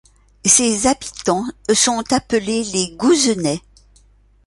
Ses habitants sont appelés les Gouzenais.